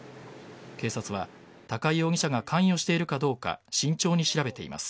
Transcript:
警察は高井容疑者が関与しているかどうか慎重に調べています。